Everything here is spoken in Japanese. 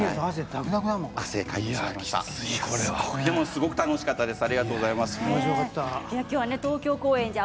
すごく楽しかったです。